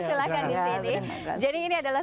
silahkan di sini jadi ini adalah